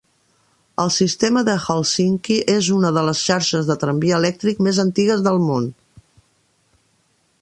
El sistema de Helsinki és una de les xarxes de tramvia elèctric més antigues del món.